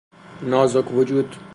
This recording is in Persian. نازک وجود